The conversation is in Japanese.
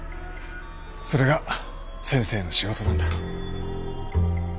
それが先生の仕事なんだ。